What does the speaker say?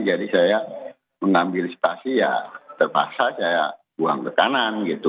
jadi saya mengambil spasi ya terpaksa saya buang ke kanan gitu